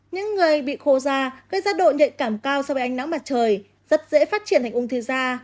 những người bị khô da gây ra độ nhạy cảm cao so với ánh nắng mặt trời rất dễ phát triển thành ung thư da